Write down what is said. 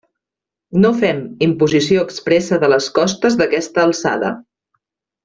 No fem imposició expressa de les costes d'aquesta alçada.